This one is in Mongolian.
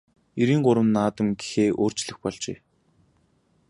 Эрийн гурван наадам гэхээ өөрчлөх болжээ.